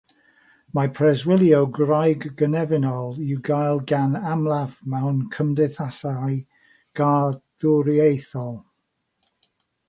Mae preswylio gwraig-gynefinol i'w gael gan amlaf mewn cymdeithasau garddwriaethol.